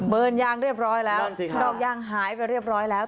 ยางเรียบร้อยแล้วนอกย่างหายไปเรียบร้อยแล้ว